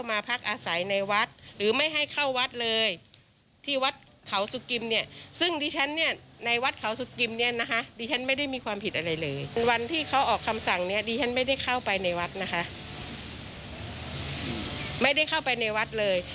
ไม่ได้เข้าไปในวัดเลย